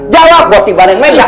jawab buat dibandingin meja